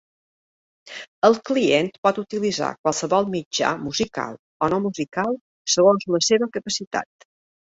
El client pot utilitzar qualsevol mitjà musical o no musical segons la seva capacitat.